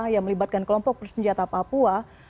yang melibatkan kelompok bersenjata papua